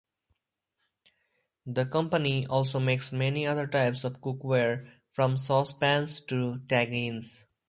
The company also makes many other types of cookware, from sauce pans to tagines.